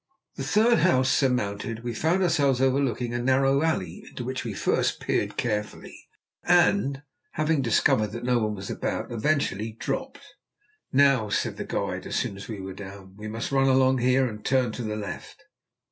The third house surmounted, we found ourselves overlooking a narrow alley, into which we first peered carefully, and, having discovered that no one was about, eventually dropped. "Now," said the guide, as soon as we were down, "we must run along here, and turn to the left."